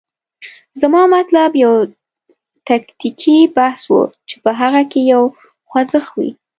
زما مطلب یو تکتیکي بحث و، چې په هغه کې یو خوځښت وي.